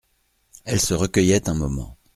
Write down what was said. Elle se recueillait un moment.